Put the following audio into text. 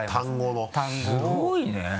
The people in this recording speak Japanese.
すごいね。